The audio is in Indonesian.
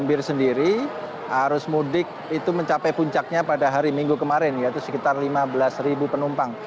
itu mencapai puncaknya pada hari minggu kemarin yaitu sekitar lima belas penumpang